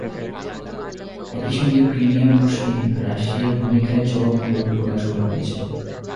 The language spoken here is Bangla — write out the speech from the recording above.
একই সঙ্গে ক্রিমিয়া প্রশ্নে রাশিয়ার ভূমিকায় চরম ক্ষোভ প্রকাশ করা হয়েছে।